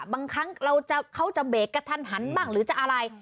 บางครั้งเขาจะเบรกกระทันหันบ้างหรือจะอะไร